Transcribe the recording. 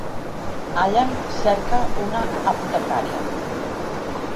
Allan cerca una apotecaria.